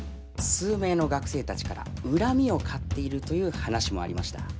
数名の学生たちから恨みを買っているという話もありました。